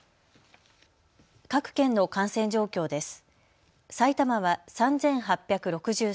各県の感染状況です。